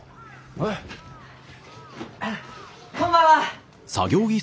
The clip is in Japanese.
あっこんばんは！